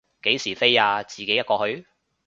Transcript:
幾時飛啊，自己一個去？